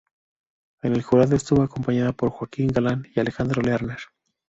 En el jurado estuvo acompañada por Joaquín Galán y Alejandro Lerner.